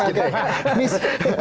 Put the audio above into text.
anda biar bisa sederhana